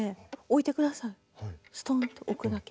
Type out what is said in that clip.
ストンと置くだけ。